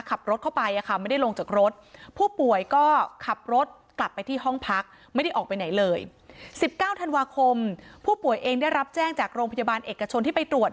ขับรถเข้าไปนะคะไม่ได้ลงจากรถ